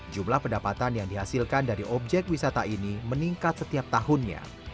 jumlah pendapatan yang dihasilkan dari objek wisata ini meningkat setiap tahunnya